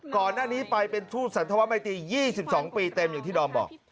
ก่อนหน้านี้ไปเป็นทูตสันธวมัยตี๒๒ปีเต็มอย่างที่ดอมบอก